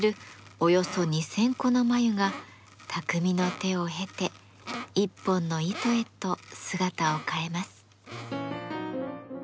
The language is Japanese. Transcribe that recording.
およそ２，０００個の繭が匠の手を経て一本の糸へと姿を変えます。